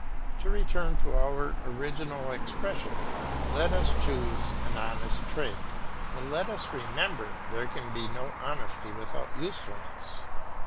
To return to our original expression, "Let us choose an honest trade," but let us remember there can be no honesty without usefulness.